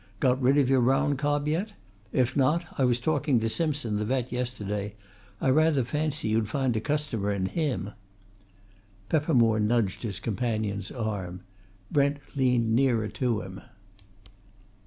"Got rid of your brown cob yet? If not, I was talking to Simpson, the vet, yesterday I rather fancy you'd find a customer in him." Peppermore nudged his companion's arm. Brent leaned nearer to him.